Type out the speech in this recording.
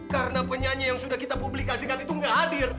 karena penyanyi yang sudah kita publikasikan itu nggak hadir